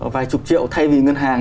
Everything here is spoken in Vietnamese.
vài chục triệu thay vì ngân hàng